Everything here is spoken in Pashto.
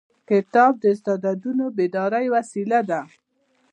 کتاب د استعدادونو د بیدارۍ وسیله ده.